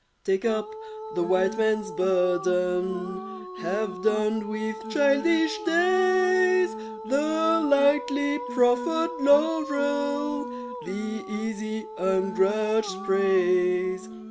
Take up the White Man's burden Have done with childish days The lightly proffered laurel The easy, ungrudged praise.